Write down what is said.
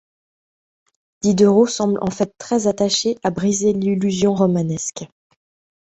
Diderot semble en fait très attaché à briser l’illusion romanesque.